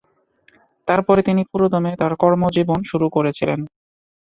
তারপরে তিনি পুরোদমে তাঁর কর্মজীবন শুরু করেছিলেন।